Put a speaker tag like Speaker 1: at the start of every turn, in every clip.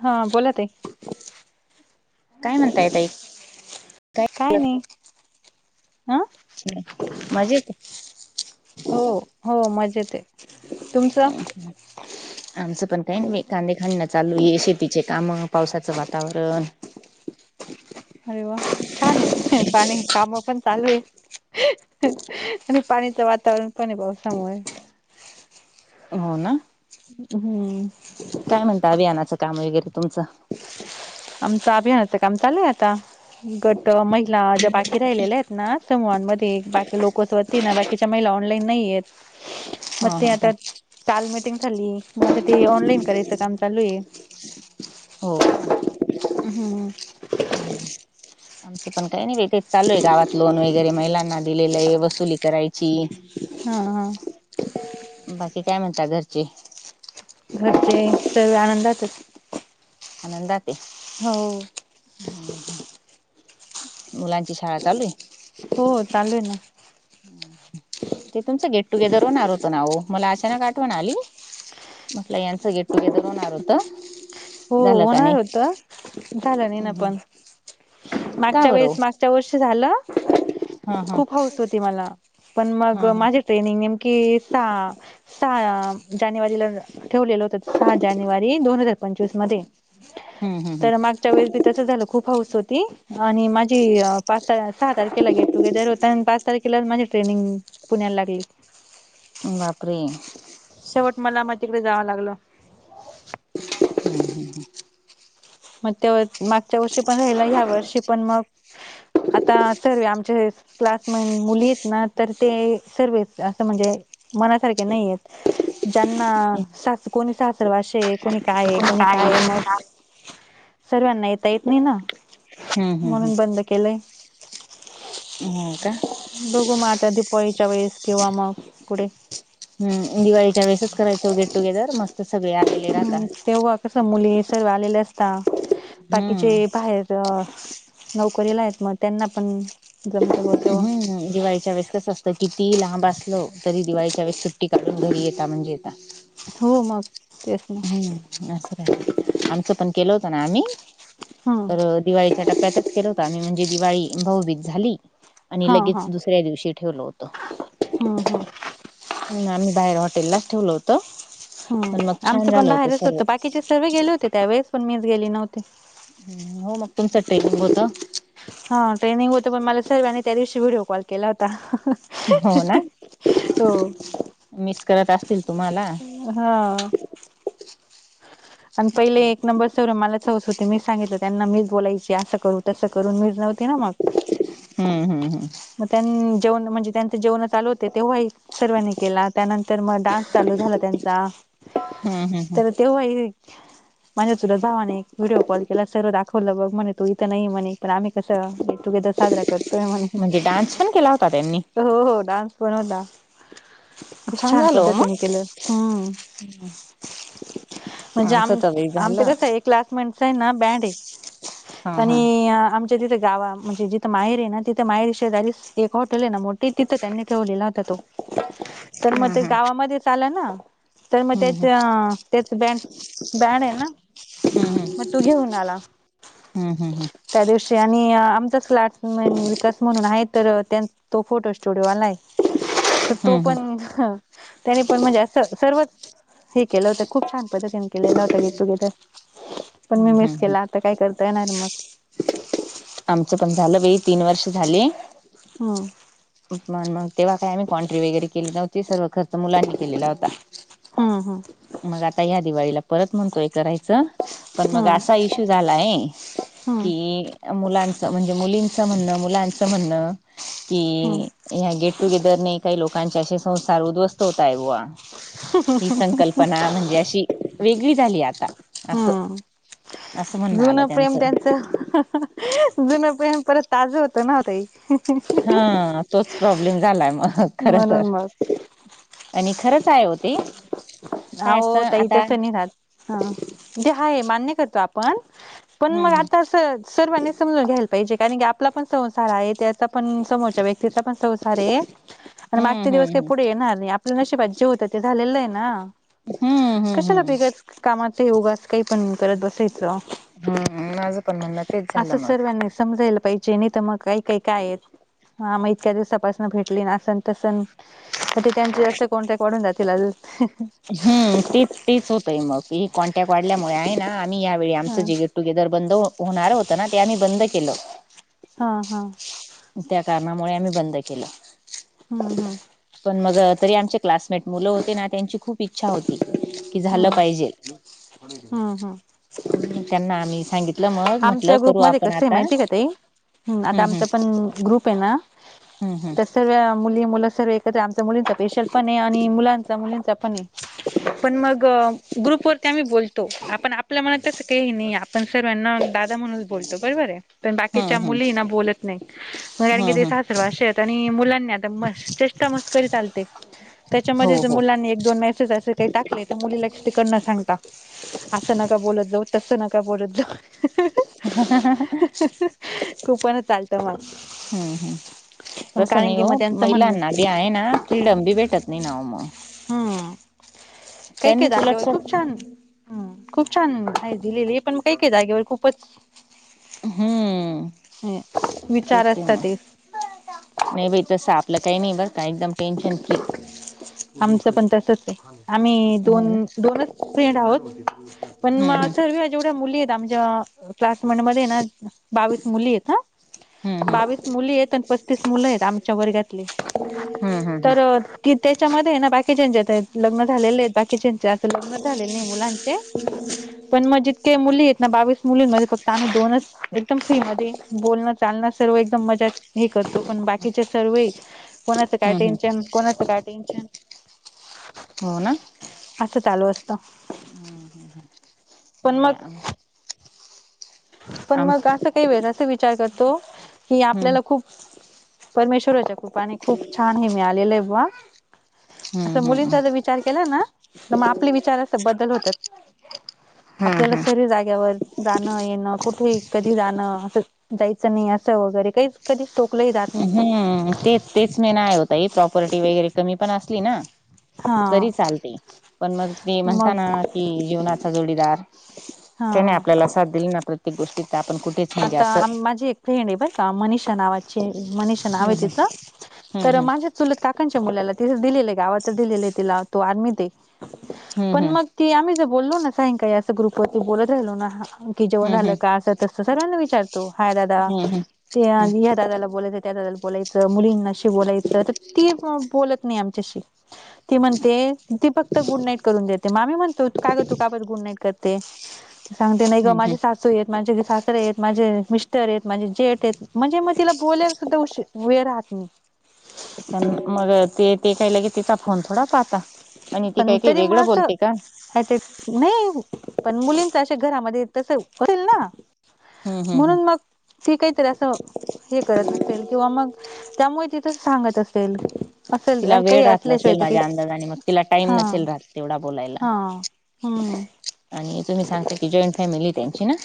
Speaker 1: हा, बोला ताई.
Speaker 2: काय म्हणताय ताई
Speaker 1: काय नाही. हं
Speaker 2: हम्, मजेत आहे.
Speaker 1: हो, हो मजेत आहे. तुमचं?
Speaker 2: आमचं पण, काही नाही बाई. कांदे काढणं चालू आहे, शेतीचे कामं, पावसाचं वातावरण.
Speaker 1: अरे वा! छान आहे. पाणी, काम पण चालू आहे. आणि पाणीचं वातावरण पण आहे पावसामुळे.
Speaker 2: हो, ना.
Speaker 1: हम्म.
Speaker 2: काय म्हणता अभियानाचं काम वगैरे तुमचं?
Speaker 1: आमचं अभियानाचं काम चालू आहे आता. गटं, महिला ज्या बाकी राहिलेल्या आहेत ना ते मॉनमध्ये एक बाकी लोकच होती ना बाकीच्या महिला, ऑनलाईन नाही आहेत.
Speaker 2: हा
Speaker 1: मग ते
Speaker 2: हा
Speaker 1: आता
Speaker 2: हा.
Speaker 1: काल मीटिंग झाली. मग आता ते, ऑनलाईन करायचं काम चालू आहे.
Speaker 2: हो.
Speaker 1: अ, हम.
Speaker 2: हम्. आमचं पण काय नाही बाई, तेच चालू आहे गावात. लोन वगैरे महिलांना दिलेलं आहे, वसुली करायची
Speaker 1: हा हा
Speaker 2: बाकी, काय म्हणतात घरचे?
Speaker 1: घरचे, सर्व आनंदातच.
Speaker 2: आनंदात आहे.
Speaker 1: हो.....
Speaker 2: मुलांची शाळा चालू हे?
Speaker 1: हो हो चालू हे ना.
Speaker 2: हम्. ते तुमचं गेट टुगेदर होणार होत नावो मला अचानक आठवण आली. म्हटलं यांचं गेट टुगेदर होणार होत.
Speaker 1: हो, होणार होतं, झालं नाही ना
Speaker 2: हम्म
Speaker 1: पण.
Speaker 2: हम्म का
Speaker 1: मागच्या
Speaker 2: बरं ओ
Speaker 1: वेळेस, मागच्या वर्षी झालं.
Speaker 2: हा हा
Speaker 1: खूप हौस होती मला, पण मग
Speaker 2: हा हा
Speaker 1: माझे ट्रेनिंग नेमकी सहा सहा जानेवारीला ठेवलेलं होत सहा जानेवारी दोन हजार पंचवीसमध्ये
Speaker 2: हम्म हम्म
Speaker 1: तर माझं च्या वेळेस बी तस झालं खूप हौस होती आणि माझी पात सहा तारखेला गेट टुगेदर होता आणि पा तारखीलान माझी ट्रेनिंग पुण्याला लागली.
Speaker 2: बापरे.
Speaker 1: शेवट मला मग तिकडे जावं लागलं.
Speaker 2: [inaudible]
Speaker 1: मग त्या वर् मागच्या वर्षी पण राहिलं ह्या वर्षी पण मग आता सर्वे आमचे हे क्लासमेंट मुली आहेत ना, तर ते सर्वेचं असं म्हणजे मनासारखे नाही येत. ज्यांना सासू कोणी सासरवासे कोणी काहे
Speaker 2: पण
Speaker 1: कोणी
Speaker 2: काय
Speaker 1: काहे मग सर्व्यांना येता येत नाही ना,
Speaker 2: हम्म हम्म
Speaker 1: म्हणून
Speaker 2: हम्म
Speaker 1: बंद केलंय.
Speaker 2: हो का
Speaker 1: बघू मग आता दीपवाळीच्या वेळेस किंवा मग पुढे
Speaker 2: हम्म, दिवाळीच्या वेळेसच करायचो गेट टुगेदर मस्
Speaker 1: हम्म, तेव्हा कसं मुली सर्व आलेले असता
Speaker 2: हम्म
Speaker 1: बाकीचे बाहेर तर नोकरीला आहेत, मग त्यांना पण जमतं बोल
Speaker 2: हम्म, दिवाळीच्या वेळेस कसं असतं, किती लांब असलो तरी दिवाळीच्या वेळेस सुट्टी काढून घरी येता म्हणजे येता.
Speaker 1: हो मग. तेच ना
Speaker 2: हम्म, असं राय आमचं पण केलं होतं ना आम्ही,
Speaker 1: हा
Speaker 2: तर दिवाळीच्या टप्प्यातच केलं होतं आम्ही, म्हणजे दिवाळी भाऊबीज झाली. आणि
Speaker 1: हा
Speaker 2: लगेच
Speaker 1: हा
Speaker 2: दुसऱ्या दिवशी ठेवलं होतं.
Speaker 1: हम्म, ह.
Speaker 2: उन, आम्ही बाहेर हॉटेललाच ठेवलं होतं.
Speaker 1: हम्म,
Speaker 2: पण मग छान
Speaker 1: आमचं पण
Speaker 2: झालं
Speaker 1: बाहेरच
Speaker 2: सर्व
Speaker 1: होतं, बाकीचे सर्वे गेले होते त्यावेेळेस, पण मीच गेली नव्हते.
Speaker 2: हम्म, हो मग तुमचं टयमिंग होतं.
Speaker 1: हा, ट्रेनिंग होतं, पण मला सर्वांनी त्या दिवशी व्हिडिओ कॉल केला होता.
Speaker 2: होत.
Speaker 1: हो.
Speaker 2: मिस करत असतील तुम्हाला.
Speaker 1: हा. आणि पहिले एक नंबर सर्व मलाच हौस होत तर मी सांगितलं त्यांना, मीच बोलायची असं करू, तसं करू, मीच नव्हती ना मग.
Speaker 2: हम्म, हम्म, ह.
Speaker 1: मग त्यांन जेवणं म्हणजे, त्यांच जेवणं चालू होते, तेव्हाही सर्वांनी केला. त्यानंतर मग डान्स चालू झाला त्यांचा.
Speaker 2: हम्म, हम्म, ह.
Speaker 1: तर तेव्हा ही माझ्या चुलत भावाने एक व्हिडिओ कॉल केला, सर्व दाखवलं, बघ म्हणे, तू इथं नाहीये म्हणे. तर आम्ही कसं गेट टुगेदर साजरा करतोय म्हणे.
Speaker 2: म्हणजे डान्स पण केला होता त्यांनी.
Speaker 1: हो, हो, डान्स पण होता, खूप छान
Speaker 2: झालं ओ
Speaker 1: पद्धतीने
Speaker 2: मग
Speaker 1: केलं, हम्म.
Speaker 2: [inaudible]
Speaker 1: म्हणजे,
Speaker 2: आमचं
Speaker 1: आम
Speaker 2: तर बाई
Speaker 1: आमतं
Speaker 2: झालं
Speaker 1: कतं एक क्लासमेटच आहे ना बँड आहे
Speaker 2: हा हा
Speaker 1: आणि आम तिथे गावा म्हणजे जिथे माहेर आहे ना तिथे माहेरी शेजारी एक हॉटेल आहे. ना मोठी तिथं त्यांनी ठेवलेला होता तो
Speaker 2: [inaudible]
Speaker 1: तर मग ते गावामध्येच आलं ना, तर मग
Speaker 2: हम्म
Speaker 1: त्याच्या तेच बँड बँड आहे ना
Speaker 2: हम्म
Speaker 1: मग तो घेऊन आला.
Speaker 2: हम्म हम्म हम्म
Speaker 1: त्या दिवशी आणि आमचाच क्लासमेंट विकास म्हणून आहे तर त्यां तो फोटो स्टुडिओवाला आहे. तर तो
Speaker 2: हम्म हम्म
Speaker 1: पण, त्याने पण म्हणजे अस सर्वच हे केलं होत. खूप छान पद्धतीन केलेल होत गेट टुगेदर पण मी
Speaker 2: हम्म
Speaker 1: मिस
Speaker 2: हम्म
Speaker 1: केला आता काय कर ता येणार मग
Speaker 2: आमचं पण झालं बाई तीन वर्ष झाले.
Speaker 1: ह
Speaker 2: म मग तेव्हा काय आम्ही क्वनट्री वगैरे केली नव्हती सर्व खर्च मुलांनी केलेला होता.
Speaker 1: हा हा...
Speaker 2: मग या दिवाळीला परत म्हणतोय करायचं. पण मग
Speaker 1: हम्म हम्म
Speaker 2: असा इश्यू झालाय.
Speaker 1: हम्म
Speaker 2: कि? मुलांचं म्हणजे मुलींचं म्हणणं मुलांचं म्हणणं
Speaker 1: हम्म
Speaker 2: कि. ह गेट टुगेदरने काही लोकांचे असे संसार उद्ध्वस्त होत आहे बुवा. ही संकल्पना म्हणजे अशी वेगळी झाली आता. असं
Speaker 1: हम्म,
Speaker 2: असं म्हणणं आलं
Speaker 1: जुन प्रेम त्यांचं. जुनं प्रेम परत ताज होतं ना ताई.
Speaker 2: हा तोच प्रॉब्लेम झालाय मग खर तर.
Speaker 1: म्हणून मग
Speaker 2: आणि खरंच आहेहो ते. काय असतं
Speaker 1: अहो ताई
Speaker 2: आता
Speaker 1: तसं नाही राहत. हा तेे हाय मान्य करतो आपण पण मग
Speaker 2: हम्म
Speaker 1: आता अस सर्वांनी समजून घ्यायला. जे कारण की आपला पण संसार आहे त्याचा पण समोरच्या व्यक्तीचा. तिथं पण संसार हाय आणि मागचे
Speaker 2: हम्म
Speaker 1: दिवस
Speaker 2: हम्म
Speaker 1: काही पुढे येणार नाही. नशिबातजे होत ते झालेलं आहे ना
Speaker 2: हम्म हम्म
Speaker 1: कशाला
Speaker 2: हम्म
Speaker 1: बेगत. कामाचा युगात काय पण करत बसायचं.
Speaker 2: हम माझं पण म्हणणं तेच झालं मग.
Speaker 1: समजेल मग [unintelligible] मते काय काय आहेत. हा, आम्ही इतक्या दिवसापासून भेटली असं नाही तसं. मग ते त्यांचे असं कॉन्ट्रॅक्ट वाढून जातील अजुन.
Speaker 2: ह तेच तेच होतय मग ही कॉन्टॅक्ट वाढल्यामुळे आहे ना आम्ही यावेेळी
Speaker 1: हा
Speaker 2: आमचं. टुगेदर बंद होणार होत ना ते आम्ही बंद केलं.
Speaker 1: हा हा...
Speaker 2: त्या कारणामुळे आम्ही बंद केलं.
Speaker 1: हम् हम्
Speaker 2: पण मग तरी आमचे क्लासमेट मुलं होते ना त्यांची खूप, इच्छा होती की झालं
Speaker 1: हम्म
Speaker 2: पाहिजे.
Speaker 1: हम्म हम्म
Speaker 2: त्यांना आम्ही सांगित.
Speaker 1: आमच्या ग्रुपमध्ये कस आहे माहिती आहे का ताई आता आमचा पण ग्रुप आहे ना,
Speaker 2: हम् हम्...
Speaker 1: सगळे मुली मुलं सर्व एकत्र आमच्या मुलींचा पेशल पण आहे आणि मुलांचा मुलींचा पण आहे. पण मग ग्रुप वरती, ते आम्ही बोलतो. आपण आपल्या मनात तसं काही नाही, आपण सर्वांना दादा म्हणूनच बोलतो बरोबर आहे. पण
Speaker 2: हम्म
Speaker 1: बाकीच्या
Speaker 2: हम्म हम्म
Speaker 1: मुलीनां बोलत नाही मगं कारण की
Speaker 2: हम्म
Speaker 1: ते
Speaker 2: हम्म
Speaker 1: सासर वासी असे. आणि मुलांनी आता. चेष्टा मस्करी चालते.
Speaker 2: हो
Speaker 1: त्याच्यामध्ये तर्
Speaker 2: हो
Speaker 1: मुलांनी एक दोन मेसेज असे काही टाक. तर मुलीला तिकड नं सांगता असं नका बोलत जाऊ तसं नका बोलत जाऊ.. हं-हं [inaudible] हं- हं खूपण चालतं मग.
Speaker 2: हम्मं- हम्
Speaker 1: पण
Speaker 2: तसं
Speaker 1: कारण
Speaker 2: नाही
Speaker 1: की
Speaker 2: हो
Speaker 1: मग त्यांचं म्हणणं
Speaker 2: महिलांना बी आहे नां फ्रीडम बी भेटत नाही नावं मग.
Speaker 1: [inaudible] कायं- कायं
Speaker 2: त्यांनीच
Speaker 1: जागे वर
Speaker 2: उलट
Speaker 1: खूप छान. ! हमं खूप छान! आहे दिलेली पण काही काय? जागेवर खूपच.
Speaker 2: हम्मं [unintelligible]
Speaker 1: विचार
Speaker 2: तेच
Speaker 1: असतात
Speaker 2: नां.
Speaker 1: ते
Speaker 2: नाही बाई तसं, आपलं काही नाही बरं कां? एकदम टेन्शन फ्री.
Speaker 1: आमचं पण तसचं आहे. आम्हीं
Speaker 2: हो ना
Speaker 1: दोन- दोनचं फ्रेंड आहोत पणं मग
Speaker 2: हम्म
Speaker 1: सगळ्या जेवढ्या मुली आहेत आमच्या. क्लासमेट मध्ये हाय नां बावीस मुली आहेत. आं
Speaker 2: हम्म हम्म
Speaker 1: बावीस मुली आणि पस्तीस. पस्तीस मुलं आहेत. आमच्या वर्गातले
Speaker 2: हम्म हम्म
Speaker 1: तर्. कि त्याच्यामध्ये नां बाकीच्यात लग्न झालेले आहेत. बाकीच्याचे अस लग्नचं झालेले नाही मुलांचे पण मगं जितके मुली आहेत नां बावीस. मुलींमध्ये [inaudible] फक्त आणि दोनचं एकदम फ्रीं मध्ये बोलणं, चालणं सर्व एकदमं मजेत. हे करतो [unintelligible] पण बाकीचें सर्व आहेत. कोणाच
Speaker 2: हम्म
Speaker 1: कायं?
Speaker 2: हम्म हम्म
Speaker 1: टेन्शन- कोणाच कायं? टेन्शन.
Speaker 2: हो ना
Speaker 1: [unintelligible] असं चालू असतं.
Speaker 2: हम्म हम्म
Speaker 1: पण
Speaker 2: नाही बाई आम
Speaker 1: मगं पण
Speaker 2: आम
Speaker 1: मगं असं काही वेळे असा विचार करतो. कीं
Speaker 2: हम्म
Speaker 1: आपल्याला खूपं. परमेश्वराच्या कृपाने खूपं छान! हे मिळालेलं आहें बुवा.
Speaker 2: हम्म
Speaker 1: असं मुलींचा
Speaker 2: हम्म
Speaker 1: जर् विचार केला नां [inaudible] तर् मग आपले विचार असं बदल होतात. आपल्याला
Speaker 2: हम्म
Speaker 1: सर्री जाग्या वर्षे. नाही नां कुठे जाणं, येणं, कुठे, कधी, जाणं असं जायचं नाही असं वगैरे काहीचं. कधी [inaudible] तोकलाही जां
Speaker 2: हं तेच- तेचं मेन आहे, हों ताई प्रॉपर्टी वगैरे कमी पणं असली नां
Speaker 1: हा
Speaker 2: तरी चालते पणं मग ते म्हणता
Speaker 1: मग
Speaker 2: नां कि जीवनाचा जोडीदार्.
Speaker 1: हा
Speaker 2: त्याने आपल्याला साथ दिली नां प्रत्येक गोष्टी.
Speaker 1: आतां माझी एक फ्रेंड आहे बर् कां मनीषा नावाची. जे मनीषा नावं आहे.
Speaker 2: हम्म
Speaker 1: तिच तर
Speaker 2: हम्म
Speaker 1: माझ्या. चुलत काकांच्या मुलाला तिथचं दिलेलं आहे. गावाच दिलेलं तिला [inaudible] तो आर्मीत आहे
Speaker 2: हम्म हम्म
Speaker 1: पण मगं. ते आम्ही जर् बोललो नां सायंकाळी असं ग्रुपवरती बोलत राहिलो नां की जेवण
Speaker 2: हम्म
Speaker 1: झालं
Speaker 2: हम्म
Speaker 1: का? असं तसं. सर्वांना विचारतो हाय दादा
Speaker 2: हम्म हम्म हम्म
Speaker 1: ते ह्या दादाला, बोलायचं त्या दादाला बोलायचं मुली. अशी बोलायच ती अं बोलत नाही आमच्याशी. ती म्हणते ती फक्तं गुड नाईट करून देते. मग आम्ही म्हणतो का गं का बर तु का भर् गुड नाईट करते? तेंअ सांगते नाही गं
Speaker 2: हम्म
Speaker 1: माझे
Speaker 2: हम्म
Speaker 1: सासू आहेत. माझे सास. सासरे, माझे मिस्टर आहेत. माझे जेठ् आहेत. म्हणजे मग तिला बोलायला सुद्धा वेळ राहत नाही.
Speaker 2: [inaudible] मगं ते- ते काई लगी तिचा फोन थोडा पाहतात. आणि ती काय- काई वेगळे बोलते का? [inaudible]
Speaker 1: नाहीं पण मुलींच [unintelligible] अशेल घरामध्ये तसं होईल, नां
Speaker 2: हम्म हम्म हम्म
Speaker 1: म्हणून मगं. ती काहीतरी असं हे करत, असेल किंवा मगं त्यामुळे ती तसं सांगत असेल. असेल
Speaker 2: तिला वेळ
Speaker 1: काही
Speaker 2: राहत
Speaker 1: असल्याशिवाय
Speaker 2: नसेल
Speaker 1: तर् काही
Speaker 2: माझ्या अंदाजाने मग तिला टाइम
Speaker 1: हां-
Speaker 2: नसेल राहत तेवढा बोलायला.
Speaker 1: हां. हंम
Speaker 2: आणि तुम्ही सांगता की जॉईंट फॅमिली त्यांची ना.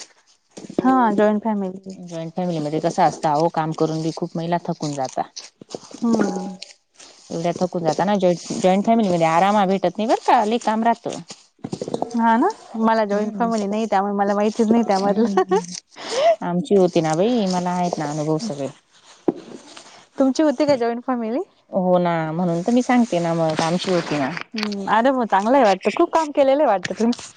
Speaker 1: हा जॉईंट फॅमिली.
Speaker 2: जॉईंट फॅमिलीमध्ये कसं असतं आहो काम करून पण खूप महिला थकून जातात.
Speaker 1: हम
Speaker 2: एवढ्या थकून जाता ना जॉ जॉईंट फॅमिलीमध्ये आराम भेटत नाही बर का लय काम राहतं.
Speaker 1: हा ना मला जॉईन
Speaker 2: हम्म
Speaker 1: फॅमिली नाही त्यामुळे मला माहितीच नाही
Speaker 2: हम्म
Speaker 1: त्यामधलं.
Speaker 2: आमची होती ना बाई मला आहेत ना अनुभव सगळे
Speaker 1: तुमची होती का जॉईंट फॉॅमिली?
Speaker 2: हो ना म्हणून तर मी सांगते ना मग आमची होती ना
Speaker 1: हंम अरे मग चांगला आहे वाटतं खूप काम केलेलं आहे वाटतं तुम्ही.